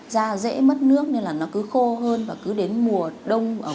da dễ mất nước nên là nó cứ khô hơn và cứ đến mùa đông